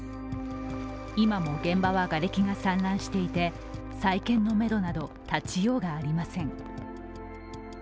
今も現場はがれきが散乱していて再建のめどなど立ちようがありません。